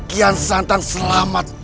kian santan selamat